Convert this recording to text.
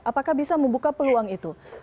apakah bisa membuka peluang itu